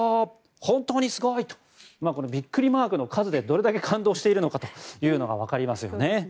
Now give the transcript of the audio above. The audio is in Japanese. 本当にすごい！とこのビックリマークの数でどれだけ感動しているのかがわかりますよね。